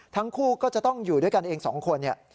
ทั้งคู่ก็จะต้องอยู่ด้วยกันเองสองคนเนี่ย